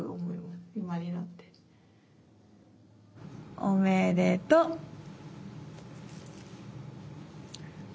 おめでとう。